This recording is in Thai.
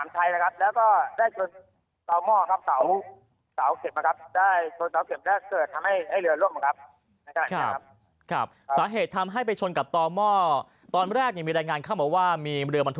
เผือพันธกศียาครับได้มาเลาะมาถึงหน้าบริเวณวัด